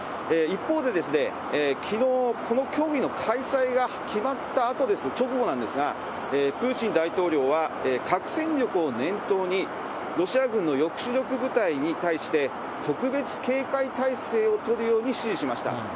一方で、きのう、この協議の開催が決まったあと、直後なんですが、プーチン大統領は核戦力を念頭に、ロシア軍の抑止力部隊に対して、特別警戒態勢を取るように指示しました。